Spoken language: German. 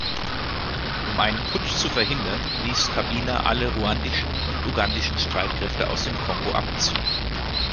Um einen Putsch zu verhindern, ließ Kabila alle ruandischen und ugandischen Streitkräfte aus dem Kongo abziehen.